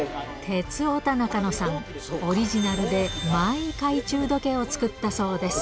鉄オタ、中野さん、オリジナルでマイ懐中時計を作ったそうです。